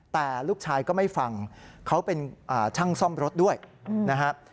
แต่ลูกชายก็ไม่ฟังเขาเป็นช่างซ่อมรถด้วยนะครับ